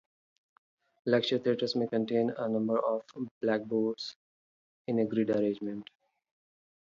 Lecture theatres may contain a number of blackboards in a grid arrangement.